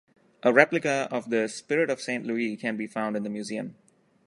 A replica of the "Spirit of Saint Louis" can be found in the museum.